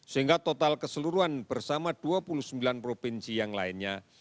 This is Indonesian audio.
sehingga total keseluruhan bersama dua puluh sembilan provinsi yang lainnya